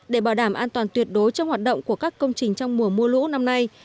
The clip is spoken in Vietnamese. để bảo đảm an toàn tuyệt đối cho hoạt động của các công trình trong mùa mưa lũ năm nay